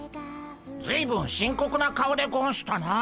ずいぶん深刻な顔でゴンしたなあ。